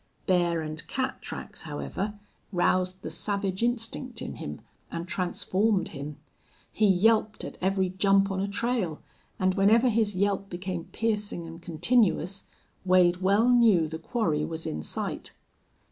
Bear and cat tracks, however, roused the savage instinct in him, and transformed him. He yelped at every jump on a trail, and whenever his yelp became piercing and continuous Wade well knew the quarry was in sight.